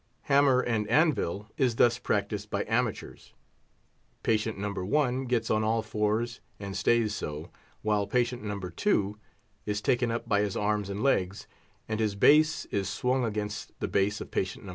Hammer and anvil is thus practised by amateurs: Patient No. 1 gets on all fours, and stays so; while patient No. 2 is taken up by his arms and legs, and his base is swung against the base of patient No.